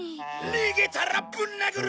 「逃げたらぶん殴る！